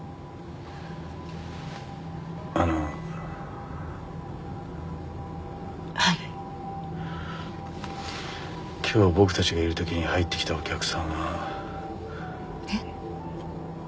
あのはい今日僕たちがいる時に入ってきたお客さんはえっ？